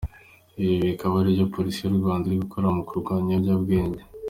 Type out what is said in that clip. Ibi bikaba aribyo Polisi y’u Rwanda iri gukora mu kurwanya ibiyobyabwenge.”